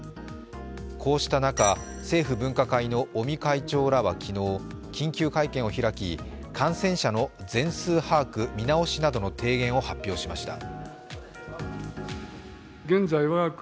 こうした中、政府分科会の尾身会長らは昨日、昨日、緊急会見を開き感染者の全数把握見直しなどの提言を発表しました。